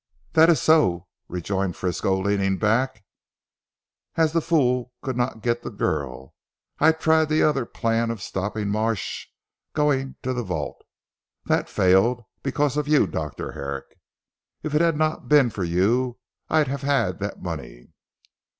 "That is so," rejoined Frisco leaning back, "as the fool could not get the girl, I tried the other plan of stopping Marsh going to the vault. That failed because of you Dr. Herrick. If it had not been for you I'd have had that money."